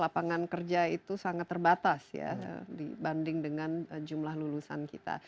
lapangan kerja itu sangat terbatas ya dibanding dengan jumlah lulusan kita